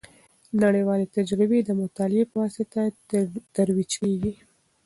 نړیوالې تجربې د مطالعې په واسطه ترویج کیږي.